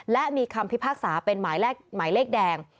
และมีคำพิพากษาเป็นหมายเลขแดง